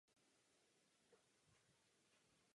Nyní působí v týmu Bílí Tygři Liberec.